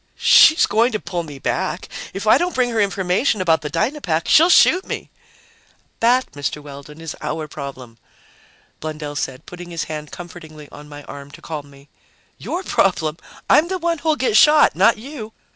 "She's going to pull me back! If I don't bring her the information about the Dynapack, she'll shoot me!" "That, Mr. Weldon, is our problem," Blundell said, putting his hand comfortingly on my arm to calm me. "Your problem? I'm the one who'll get shot, not you!"